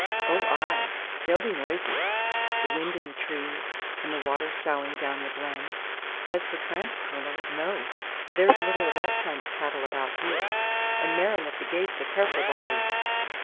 ou ay, there'll be noises, the wind in the trees, and the water soughing down the glen. As for tramps, Cornel, no, there's little o' that kind o' cattle about here; and Merran at the gate's a careful body."